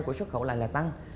của xuất khẩu lại là tăng